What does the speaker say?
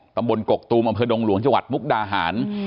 ตำบลกกกตูมบดหลวงจมุกดาหาร